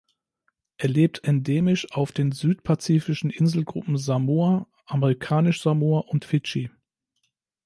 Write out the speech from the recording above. Er lebt endemisch auf den südpazifischen Inselgruppen Samoa, Amerikanisch-Samoa und Fidschi.